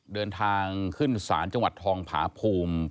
เดินทางขึ้นศาลจังหวัดทองผาภูมิ